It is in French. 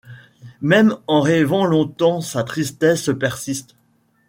Même en rêvant longtemps sa tristesse persiste.